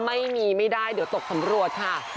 ไม่ได้เดี๋ยวตกสำรวจค่ะ